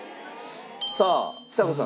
さあちさ子さん。